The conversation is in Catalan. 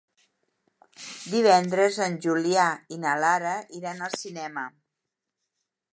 Divendres en Julià i na Lara iran al cinema.